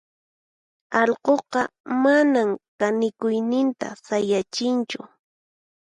allquqa manan kanikuyninta sayachinchu.